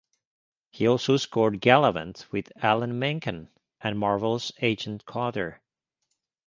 He also scored "Galavant" with Alan Menken and Marvel's "Agent Carter".